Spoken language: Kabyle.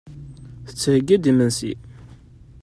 Tettheyyi-d imensi.